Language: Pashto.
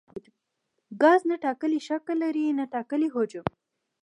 ګاز نه ټاکلی شکل لري نه ټاکلی حجم.